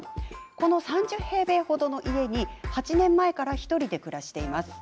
この３０平米程の家に８年前から１人で暮らしています。